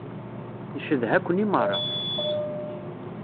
Ncedha-ken i meṛṛa.